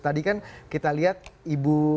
tadi kan kita lihat ibu